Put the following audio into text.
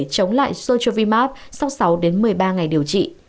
chống lại sochovimax sau sáu đến một mươi ba ngày điều trị